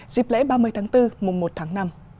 dịp lễ ba mươi tháng bốn mùa một tháng năm